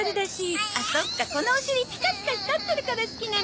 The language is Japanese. あっそっかこのお尻ピカピカ光ってるから好きなのね。